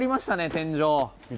天井。